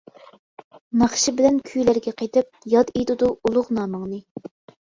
ناخشا بىلەن كۈيلەرگە قېتىپ، ياد ئېتىدۇ ئۇلۇغ نامىڭنى.